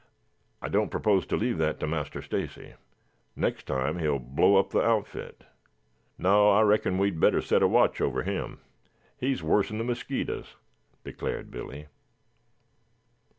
"I don't propose to leave that to Master Stacy. Next time he will blow up the outfit." "No, I reckon we had better set a watch over him. He's worse'n the mosquitoes," declared Billy.